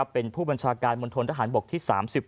เป็นผู้บัญชาการมนตรฐานบกที่๓๘